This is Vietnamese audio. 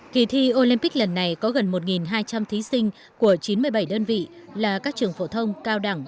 kỳ thi olympic lần này có gần một hai trăm linh thí sinh của chín mươi bảy đơn vị là các trường phổ thông cao đẳng